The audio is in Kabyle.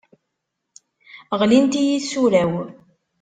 Ɣlint-iyi tsura-w.